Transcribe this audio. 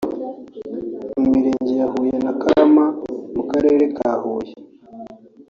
mu mirenge ya Huye na Karama mu karere ka Huye